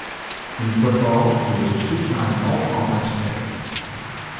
In football, he was a two-time All-Conference pick.